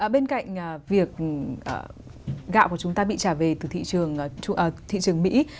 bên cạnh việc gạo của chúng ta bị trả về từ thị trường mỹ